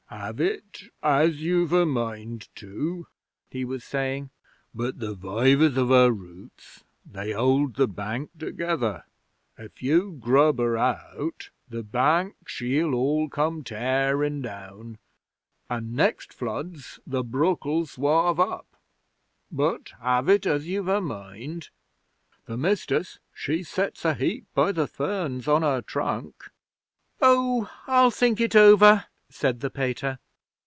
'Have it as you've a mind to,' he was saying. 'But the vivers of her roots they hold the bank together. If you grub her out, the bank she'll all come tearin' down, an' next floods the brook'll swarve up. But have it as you've a mind. The Mistuss she sets a heap by the ferns on her trunk. 'Oh! I'll think it over,' said the Pater.